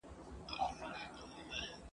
زه تر چا به چیغي یو سم زه تر کومه به رسېږم ..